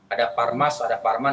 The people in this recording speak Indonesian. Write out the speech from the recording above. ada parmas ada parman